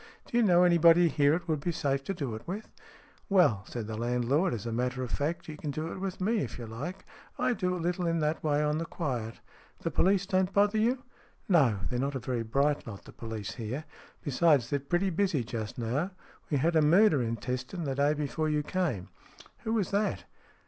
Do you know anybody here it would be safe to do it with ?"" Well," said the landlord, " as a matter of fact you can do it with me, if you like. I do a little in that way on the quiet." " The police don't bother you ?"" No ; they're not a very bright lot, the police here. Besides, they're pretty busy just now. We had a murder in Teston the day before you came." "Who was that?"